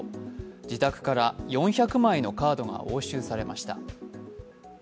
自宅から４００枚のカードが押収されました。